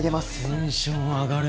テンション上がる！